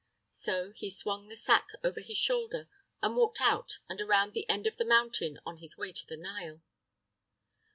So he swung the sack over his shoulder and walked out and around the end of the mountain on his way to the Nile.